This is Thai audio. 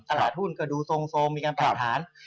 สละหุ้นกระดูกทรงมีการปรับทาน